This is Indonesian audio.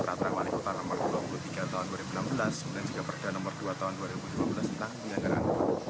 peraturan wali kota nomor dua puluh tiga tahun dua ribu enam belas kemudian juga perda nomor dua tahun dua ribu lima belas tentang penyelenggaraan